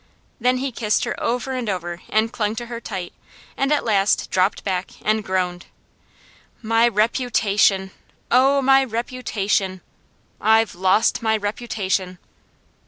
Then he kissed her over and over and clung to her tight and at last dropped back and groaned: "My reputation, O my reputation! I've lost my reputation!"